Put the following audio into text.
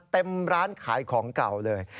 ร้านขายของเก่าเลย